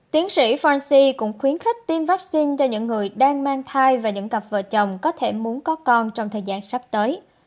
tiến sĩ fanci cũng khuyến khích tiêm vaccine cho những người đang mang thai và những cặp vợ chồng có thể muốn có con trong thời gian sắp tới